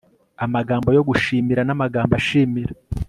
amagambo yo gushimira n'amagambo ashimira